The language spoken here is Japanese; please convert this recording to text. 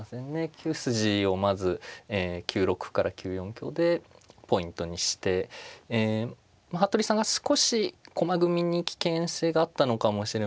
９筋をまず９六歩から９四香でポイントにしてえ服部さんが少し駒組みに危険性があったのかもしれません。